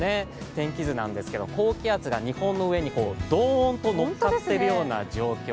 天気図なんですけど、高気圧が日本の上にドーンと乗っかってる状況。